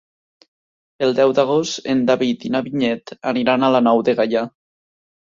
El deu d'agost en David i na Vinyet aniran a la Nou de Gaià.